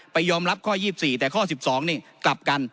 ยอมรับข้อ๒๔แต่ข้อ๑๒นี่กลับกัน